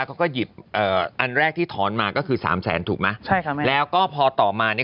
เขาก็หยิบเอ่ออันแรกที่ถอนมาก็คือสามแสนถูกไหมใช่ค่ะแล้วก็พอต่อมาเนี้ย